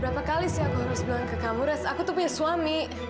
berapa kali sih aku harus bilang ke kamu res aku tuh punya suami